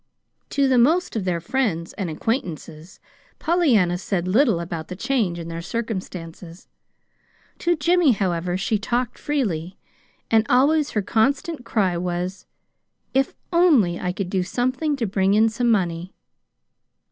To the most of their friends and acquaintances Pollyanna said little about the change in their circumstances. To Jimmy, however, she talked freely, and always her constant cry was: "If only I could do something to bring in some money!"